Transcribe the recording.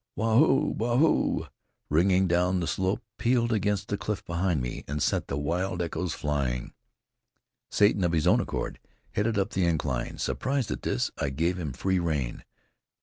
"Waa hoo, waa hoo!" ringing down the slope, pealed against the cliff behind me, and sent the wild echoes flying. Satan, of his own accord, headed up the incline. Surprised at this, I gave him free rein.